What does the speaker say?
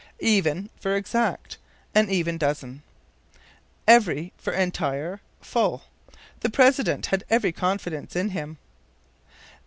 Even for Exact. "An even dozen." Every for Entire, Full. "The president had every confidence in him."